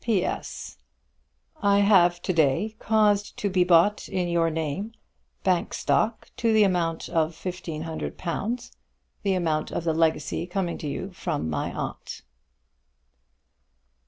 P.S. I have to day caused to be bought in your name Bank Stock to the amount of fifteen hundred pounds, the amount of the legacy coming to you from my aunt.